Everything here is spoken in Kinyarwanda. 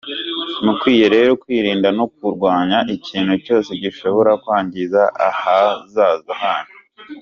Mukwiye rero kwirinda no kurwanya ikintu cyose gishobora kwangiza ahazaza hanyu".